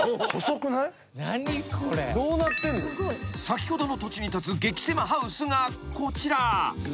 ［先ほどの土地に立つ激せまハウスがこちら］